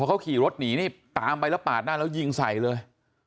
เขาขี่รถหนีนี่ตามไปแล้วปาดหน้าแล้วยิงใส่เลย